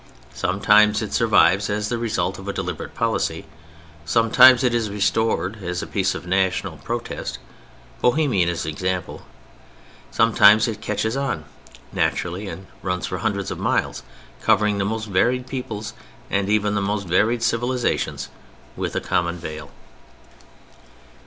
Sometimes it survives as the result of a deliberate policy. Sometimes it is restored as a piece of national protest—Bohemia is an example. Sometimes it "catches on" naturally and runs for hundreds of miles covering the most varied peoples and even the most varied civilizations with a common veil.